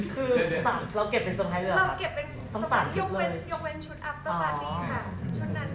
คือพี่กอลจะไม่เห็นชุดอะไรที่เราเตรียมไว้